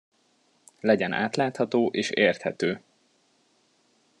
Legyen átlátható és érthető!